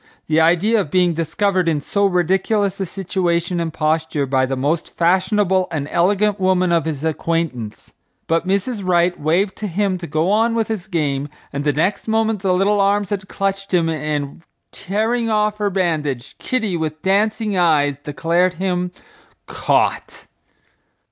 The idea of being discovered in so ridiculous a situation and posture by the most fashionable and elegant woman of his acquaintance! But Mrs. Wright waved to him to go on with his game and the next moment the little arms had clutched him, and, tearing off her bandage, Kitty, with dancing eyes, declared him "caught."